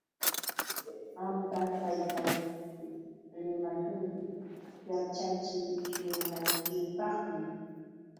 Qamta taytayki rimashunki yaćhachishunaykipaqmi.